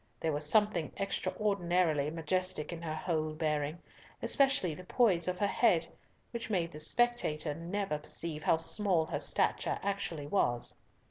There was something extraordinarily majestic in her whole bearing, especially the poise of her head, which made the spectator never perceive how small her stature actually was.